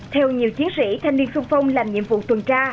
theo nhiều chiến sĩ thanh niên xung phong làm nhiệm vụ tuần tra